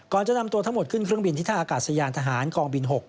ก่อนจะนำตัวทั้งหมดขึ้นเครื่องบินที่ทหารกองบิน๖